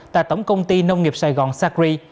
tại tổng công ty nông nghiệp sài gòn sacri